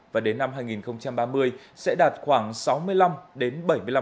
và đến năm hai nghìn ba mươi sẽ đạt khoảng sáu mươi đến sáu mươi hai